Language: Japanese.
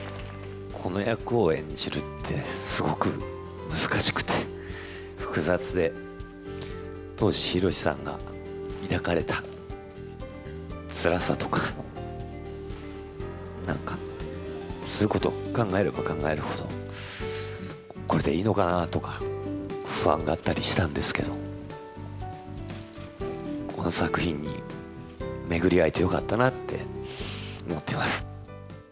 この役を演じるって、すごく難しくて複雑で、当時、裕士さんが抱かれたつらさとか、なんか、そういうことを考えれば考えるほど、これでいいのかなとか、不安があったりしたんですけど、この作品に巡り合えてよかったなって思ってます。